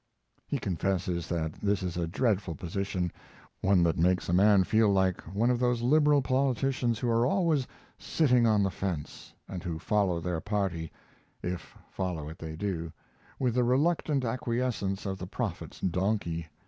He confesses that this is a dreadful position; one that makes a man feel like one of those Liberal politicians who are always "sitting on the fence," and who follow their party, if follow it they do, with the reluctant acquiescence of the prophet's donkey.